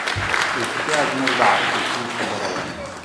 ريشا زموږ د عاشقۍ خبره ورانه سوله-